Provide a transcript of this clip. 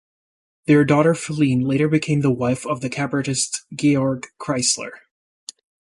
Their daughter Philine later became the wife of the cabarettist Georg Kreisler.